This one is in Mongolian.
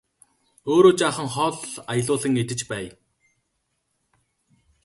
Өөрөө жаахан хоол аялуулан идэж байя!